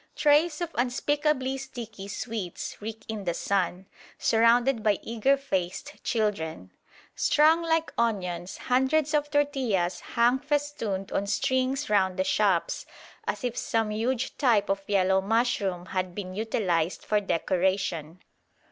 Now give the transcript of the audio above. Trays of unspeakably sticky sweets reek in the sun, surrounded by eager faced children. Strung like onions, hundreds of tortillas hang festooned on strings round the shops, as if some huge type of yellow mushroom had been utilised for decoration.